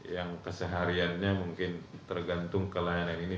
yang kesehariannya mungkin tergantung kelayanan ini